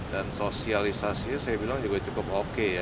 dan sosialisasi saya bilang juga cukup oke ya